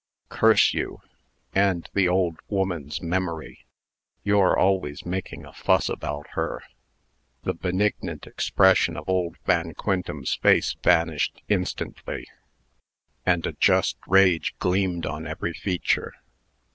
"Curse you and the old woman's memory. You're always making a fuss about her." The benignant expression of old Van Quintem's face vanished instantly, and a just rage gleamed on every feature.